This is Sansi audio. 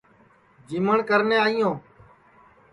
جیمٹؔ کرنے آئی یو